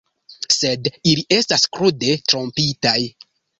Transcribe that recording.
Sed ili estas krude trompitaj.